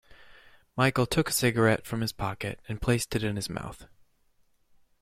Michael took a cigarette from his pocket and placed it in his mouth.